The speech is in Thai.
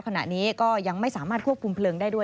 ขณะนี้ก็ยังไม่สามารถควบคุมเพลิงได้ด้วย